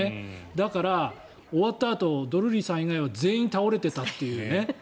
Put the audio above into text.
だから、終わったあとドルーリーさん以外は全員倒れていたというね。